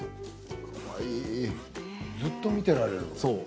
ずっと見ていられる。